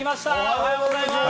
おはようございます。